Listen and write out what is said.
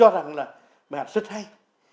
là bài hát rất hay